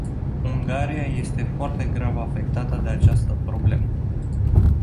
Ungaria este foarte grav afectată de această problemă.